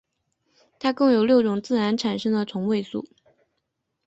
它共有六种自然产生的同位素。